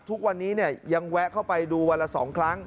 ทุกวันนี้ยังแวะเข้าไปดูวันละ๒ครั้ง